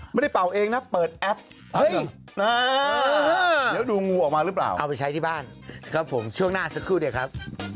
เป่าเองนะเปิดแอปแล้วดูงูออกมาหรือเปล่าเอาไปใช้ที่บ้านครับผมช่วงหน้าสักครู่เดี๋ยวครับ